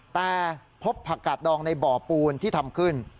แต่พบผักกาดดองในบ่อปูนที่ทำขึ้น